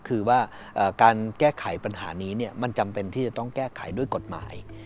คือว่าการแก้ไขปัญหานี้มันจำเป็นที่จะต้องแก้ไขด้วยกฎหมาย